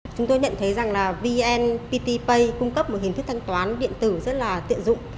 chúng tôi nhận thấy rằng là vnpt pay cung cấp một hình thức thanh toán điện tử rất là tiện dụng